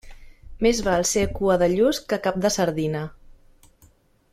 Més val ser cua de lluç que cap de sardina.